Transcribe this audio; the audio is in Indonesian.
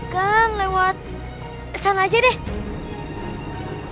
kan lewat pesan aja deh